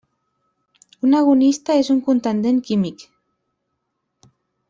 Un agonista és un contendent químic.